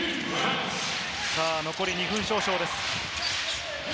残り２分少々です。